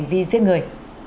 vì giết người